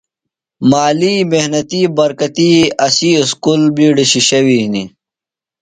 مالی محنتی برکتی اسی اُسکُل بِیڈیۡ شِشیویۡ ہِنیۡ۔